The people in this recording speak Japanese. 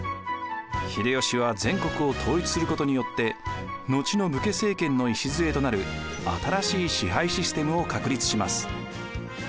秀吉は全国を統一することによって後の武家政権の礎となる新しい支配システムを確立します。